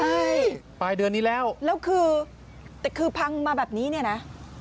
ใช่ปลายเดือนนี้แล้วแล้วคือแต่คือพังมาแบบนี้เนี่ยนะ